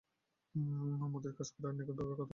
মতির কাজ আজ কত নিখুঁত, কত কোমল তাহার সামান্য সেবা।